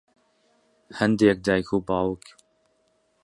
هەندێک دایک و باوک